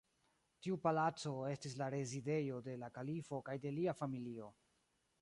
Tiu Palaco estis la rezidejo de la kalifo kaj de lia familio.